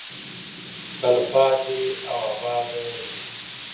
تلپاتې او اباده وي.